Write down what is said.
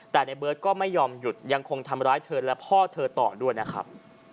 แต่ในเบิร์ตก็ไม่ยอมหยุดยังคงทำร้ายเธอและพ่อเธอต่อด้วยนะครับ